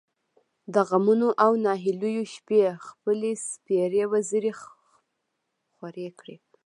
د غمـونـو او نهـيليو شـپې خپـلې سپـېرې وزرې خـورې کـړې.